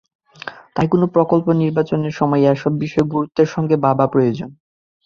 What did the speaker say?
তাই কোনো প্রকল্প নির্বাচনের সময় এসব বিষয় গুরুত্বের সঙ্গে ভাবা প্রয়োজন।